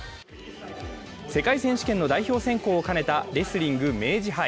世界選手権の代表選考を兼ねたレスリング明治杯。